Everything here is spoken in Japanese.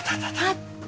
あった！